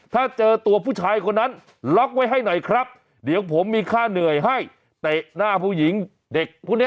ถ้าเจอตัวผู้ชายคนนั้นล็อกไว้ให้หน่อยครับเดี๋ยวผมมีค่าเหนื่อยให้เตะหน้าผู้หญิงเด็กพวกนี้